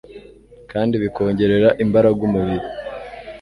kandi bikongerera imbaraga umubiri.